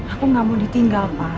aku gak mau ditinggal pak